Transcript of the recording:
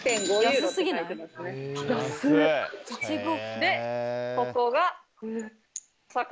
でここが。